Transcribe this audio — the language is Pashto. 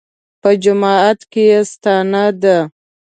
په جماعت کې یې ستانه ده.